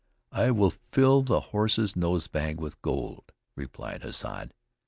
"I will fill his horse's nose bag with gold," replied Hassad.